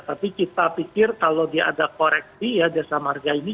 tapi kita pikir kalau dia ada koreksi ya jasa marga ini